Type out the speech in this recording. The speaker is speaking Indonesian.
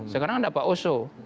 sekarang ada pak oso